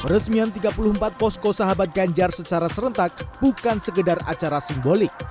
peresmian tiga puluh empat posko sahabat ganjar secara serentak bukan sekedar acara simbolik